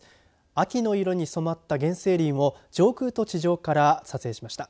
秋の色に染まった原生林を上空と地上から撮影しました。